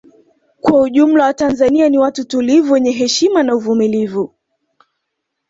Kwa ujumla watanzania ni watu tulivu wenye heshima na uvumulivu